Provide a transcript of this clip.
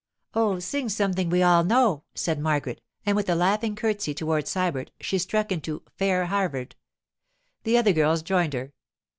'Oh, sing something we all know,' said Margaret, and with a laughing curtesy toward Sybert she struck into 'Fair Harvard.' The other girls joined her.